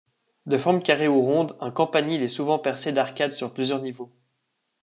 De forme carrée ou ronde, un campanile est souvent percé d'arcades sur plusieurs niveaux.